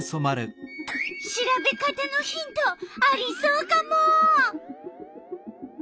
調べ方のヒントありそうカモ！